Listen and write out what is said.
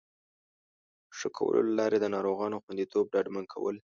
ښه کولو له لارې د ناروغانو خوندیتوب ډاډمن کول